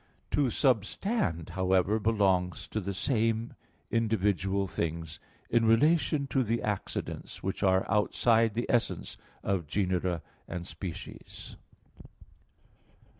To substand, however, belongs to the same individual things in relation to the accidents, which are outside the essence of genera and species.